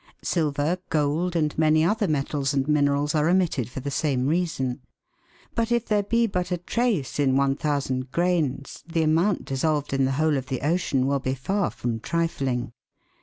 Silver, gold, and many other metals and minerals, are omitted for the same reason. But if there be but a trace in 1,000 grains the amount dissolved in the whole of the ocean will be far from trifling.